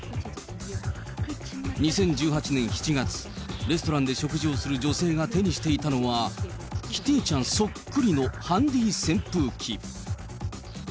２０１８年７月、レストランで食事をする女性が手にしたのは、キティちゃんそっくりのハンディー扇風機。